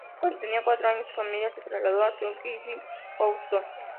Cuando tenía cuatro años su familia se trasladó a Sunnyside, Houston.